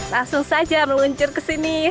langsung saja meluncur ke sini